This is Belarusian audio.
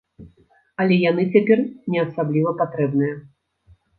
Але яны цяпер не асабліва патрэбныя.